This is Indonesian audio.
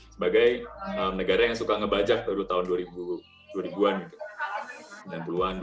sebagai negara yang suka ngebajak tahun dua ribu an sembilan puluh an dua ribu an